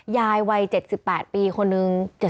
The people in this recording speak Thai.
วัย๗๘ปีคนนึง